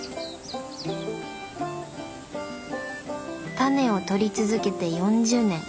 タネをとり続けて４０年。